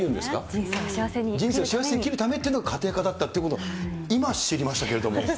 人生を幸せに生きるために家庭科だったということを、今知りましたけども。